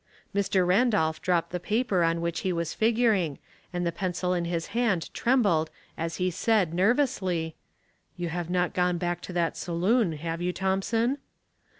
Mr. Randolph dropped the paper on which he was figuring, and the pencil in his hand trembled as he said, nervously, —" You have not gone back to that saloon, have you, Thomson